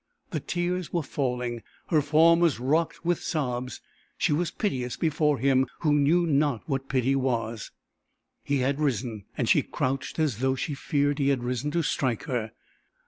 The tears were falling, her form was rocked with sobs. She was piteous before him who knew not what pity was. He had risen and she crouched as though she feared he had risen to strike her.